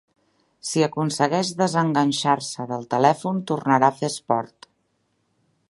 Si aconsegueix desenganxar-se del telèfon tornarà a fer esport.